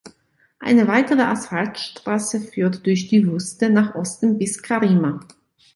Eine weitere Asphaltstraße führt durch die Wüste nach Osten bis Karima.